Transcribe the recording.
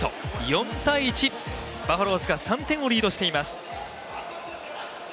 ４−１、バファローズが３点をリードしています。